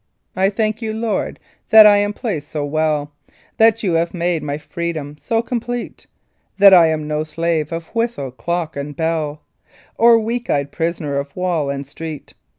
I thank you, Lord, that I am placed so well; That You have made my freedom so complete; That I'm no slave of whistle, clock and bell, Or weak eyed prisoner of wall and street.